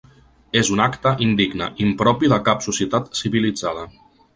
És un acte indigne, impropi de cap societat civilitzada.